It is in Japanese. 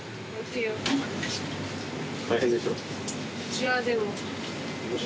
いやでも。